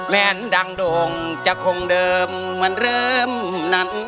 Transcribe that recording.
แว้นดังโด่งจะคงเดิมเหมือนเริ่มนั้น